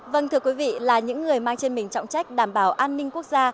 vâng thưa quý vị là những người mang trên mình trọng trách đảm bảo an ninh quốc gia